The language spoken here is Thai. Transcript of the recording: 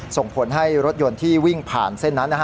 ส่งผลให้รถยนต์ที่วิ่งผ่านเส้นนั้น